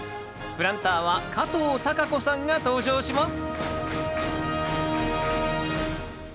プランターは加藤貴子さんが登場します